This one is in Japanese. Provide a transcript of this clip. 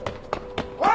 おい！